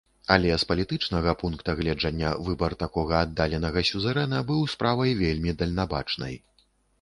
Але, з палітычнага пункта гледжання, выбар такога аддаленага сюзерэна быў справай вельмі дальнабачнай.